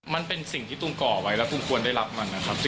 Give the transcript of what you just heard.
มันเป็นสิ่งที่ตูมก่อไว้แล้วตูมควรได้รับมันนะครับ